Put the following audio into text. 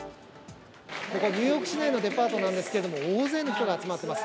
ここ、ニューヨーク市内のデパートなんですけど、大勢の人が集まっています。